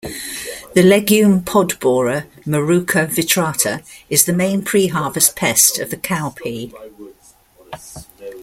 The legume pod borer, "Maruca vitrata," is the main pre-harvest pest of the cowpea.